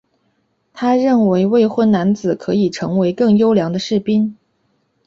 他认为未婚男子可以成为更优良的士兵。